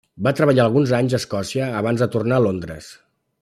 Va treballar alguns anys a Escòcia abans de tornar a Londres.